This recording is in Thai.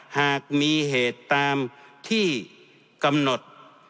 หากมีเหตุตามที่กำหนด